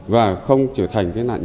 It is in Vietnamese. và không trở thành nạn nhân